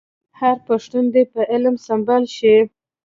هر پښتون دي په علم سمبال شي.